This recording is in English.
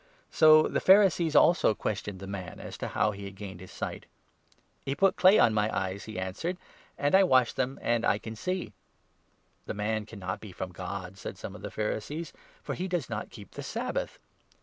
So the Pharisees also questioned the man as 15 to how he had gained his sight. " He put clay on my eyes," he answered, "and I washed them, and I can see." '' The man cannot be from God, " said some of the Pharisees, 16 " for he does not keep the Sabbath."